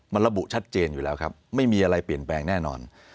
มันระบุชัดเจนอยู่แล้วครับไม่มีอะไรเปลี่ยนแปลงแน่นอน